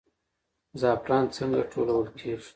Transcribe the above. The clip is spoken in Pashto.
زعفران څنګه ټولول کیږي؟